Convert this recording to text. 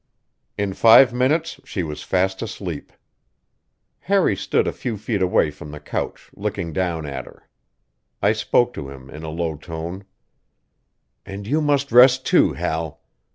In five minutes she was fast asleep. Harry stood a few feet away from the couch, looking down at her. I spoke to him, in a low tone: "And you must rest too, Hal.